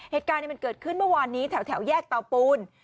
เหตุการณ์มันเกิดขึ้นเมื่อวานนี้แถวแยกเตาปูน